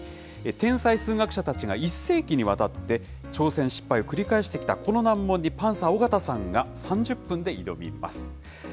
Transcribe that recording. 天才数学者たちが１世紀にわたって挑戦、失敗を繰り返してきたこの難問にパンサー・尾形さんが３０分で挑みます。